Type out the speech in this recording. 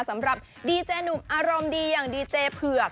สำหรับดีเจหนุ่มอารมณ์ดีอย่างดีเจเผือก